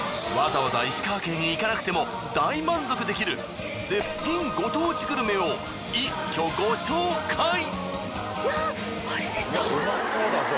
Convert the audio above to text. わざわざ石川県へ行かなくても大満足できる絶品ご当地グルメを一挙ご紹介！